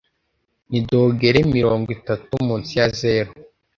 Ni dogere mirongo itatu munsi ya zeru.